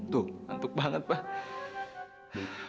tuh ngantuk banget pak